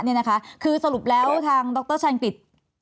อยู่หลายสถานะเนี่ยนะคะคือสรุปแล้วทางดรชันกิต